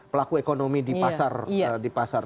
pelaku ekonomi di pasar